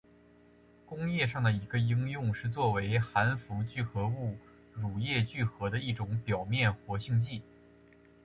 工业上的一个应用是作为含氟聚合物乳液聚合的一种表面活性剂。